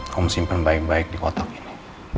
aku mau simpen baik baik di kotak ini